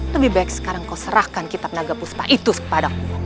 lebih baik sekarang kau serahkan kitab tenaga puspa itu kepadaku